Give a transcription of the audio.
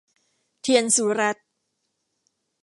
เธียรสุรัตน์